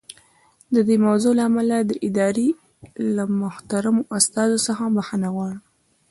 د دې موضوع له امله د ادارې له محترمو استازو څخه بښنه غواړم.